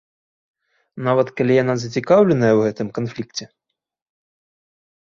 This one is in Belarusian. Нават калі яна зацікаўленая ў гэтым канфлікце.